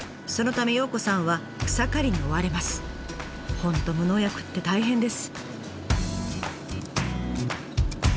本当無農薬って大変です。